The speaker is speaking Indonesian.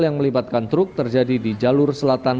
yang melibatkan truk terjadi di jalur selatan